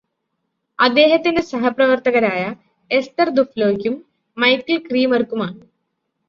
അദ്ദേഹത്തിന്റെ സഹപ്രവർത്തകരായ എസ്തർ ദുഫ്ലോക്കും മൈക്കൽ ക്രീമർക്കുമാണ്.